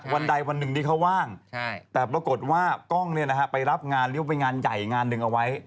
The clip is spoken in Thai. วันใดวันหนึ่งที่เขาว่างแต่ปรากฏว่ากล้องไปรับงานริ้วไปงานใหญ่งานหนึ่งเอาไว้